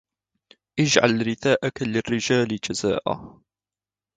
اجعل رثاءك للرجال جزاء